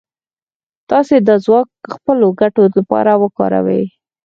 تاسې دا ځواک د خپلو ګټو لپاره وکاروئ.